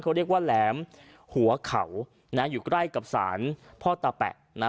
เขาเรียกว่าแหลมหัวเขานะอยู่ใกล้กับศาลพ่อตาแปะนะ